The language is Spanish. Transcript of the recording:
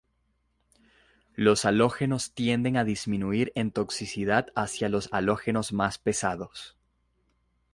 Los halógenos tienden a disminuir en toxicidad hacia los halógenos más pesados.